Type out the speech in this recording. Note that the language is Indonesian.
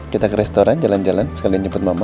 kita ke restoran jalan jalan sekalian nyempet mama